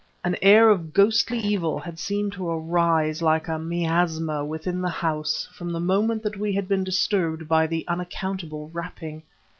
An air of ghostly evil had seemed to arise like a miasma within the house from the moment that we had been disturbed by the unaccountable rapping.